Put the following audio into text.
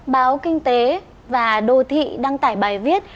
báo kinh tế và đô thị đăng tải bài viết